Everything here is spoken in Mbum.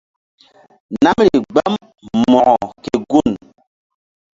Namri gbam Mo̧ko ke gun.